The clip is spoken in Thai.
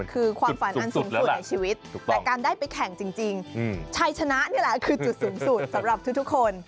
คือความฝันอันสูงสุดในชีวิตแต่การได้ไปแข่งจริงชัยชนะนี่แหละคือจุดสูงสุดสำหรับทุกคน